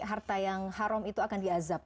harta yang haram itu akan diazab